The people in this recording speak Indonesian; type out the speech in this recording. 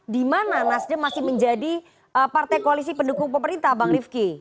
di mana nasdem masih menjadi partai koalisi pendukung pemerintah bang rifki